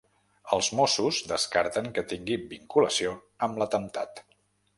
Els mossos descarten que tingui vinculació amb l’atemptat.